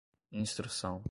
instrução